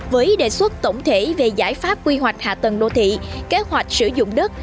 với đề xuất tổng thể về giải pháp quy hoạch hạ tầng đô thị kế hoạch sử dụng đất